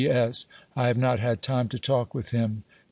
P, S, I have not had time to talk with him, J.